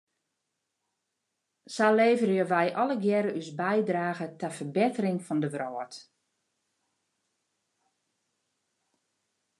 Sa leverje wij allegearre ús bydrage ta ferbettering fan de wrâld.